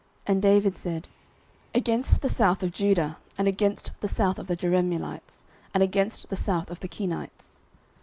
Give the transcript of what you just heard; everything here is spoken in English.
And David said, Against the south of Judah, and against the south of the Jerahmeelites, and against the south of the Kenites.